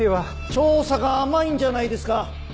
調査が甘いんじゃないですか？